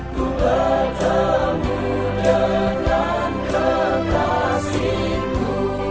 ku bertemu dengan kekasihmu